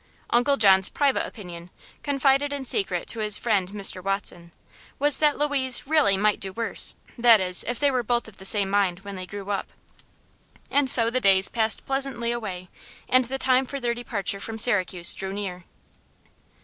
Uncle John's private opinion, confided in secret to his friend Mr. Watson, was that Louise "really might do worse; that is, if they were both of the same mind when they grew up." And so the days passed pleasantly away, and the time for their departure from Syracuse drew near.